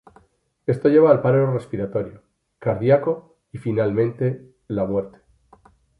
Esto lleva al paro respiratorio, cardíaco y, finalmente, la muerte.